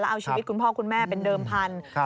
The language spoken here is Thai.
เอาชีวิตคุณพ่อคุณแม่เป็นเดิมพันธุ์